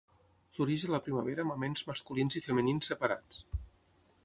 Floreix a la primavera amb aments masculins i femenins separats.